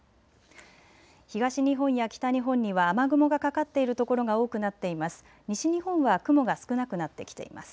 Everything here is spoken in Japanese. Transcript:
東日本や北日本には雨雲がかかっている所が多くなっています。